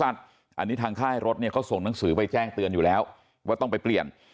อันนี้ทางค่ายรถเนี่ยเขาส่งหนังสือไปแจ้งเตือนอยู่แล้วว่าต้องไปเปลี่ยน